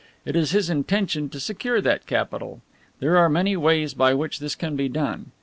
It is his intention to secure that capital. There are many ways by which this can be done.